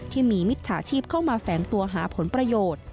มิจฉาชีพเข้ามาแฝงตัวหาผลประโยชน์